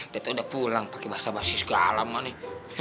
dato udah pulang pake bahasa bahasa segala ama nih